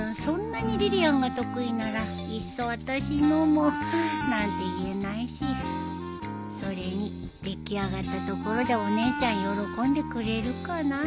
そんなにリリアンが得意ならいっそあたしのもなんて言えないしそれに出来上がったところでお姉ちゃん喜んでくれるかな